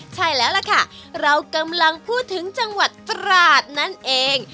ใช่แล้วล่ะค่ะเรากำลังพูดถึงจังหวัดตราดนั่นเอง